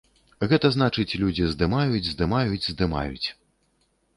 Гэта значыць, людзі здымаюць, здымаюць, здымаюць.